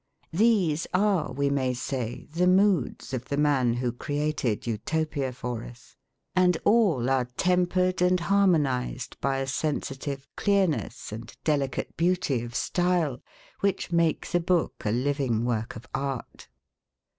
These are we may say, the moods of the man who created Otopia for us ;^ all are vij tempered and harmonised by a sensitive clearness&delicatebeautyofstyle, wbicb make tbe book a living work of art.